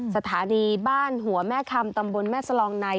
สถานีบ้านหัวแม่คำตำบลแม่สลองใน